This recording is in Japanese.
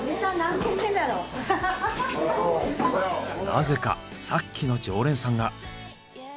なぜかさっきの常連さんが。